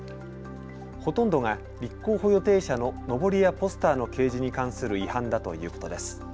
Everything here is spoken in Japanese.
ほとんどが立候補予定者ののぼりやポスターの掲示に関する違反だということです。